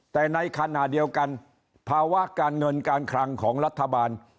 แต่ในขณะเดียวกันภาวะการเงินการคลังของรัฐบาล